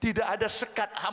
tidak ada sekat haus